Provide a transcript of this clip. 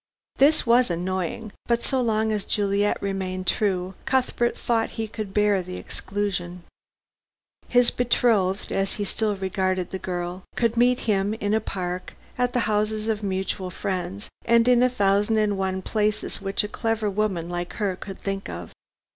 This was annoying, but so long as Juliet remained true, Cuthbert thought he could bear the exclusion. His betrothed as he still regarded the girl could meet him in the Park, at the houses of mutual friends, and in a thousand and one places which a clever woman like her could think of.